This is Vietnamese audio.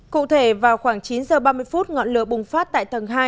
cụ thể vào khoảng chín h ba mươi phút ngọn lửa bùng phát tại tầng hai